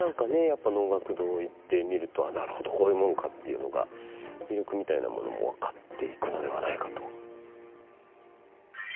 やっぱり能楽堂へ行ってみるとああなるほどこういうもんかっていうのが魅力みたいなものも分かっていくのではないかと。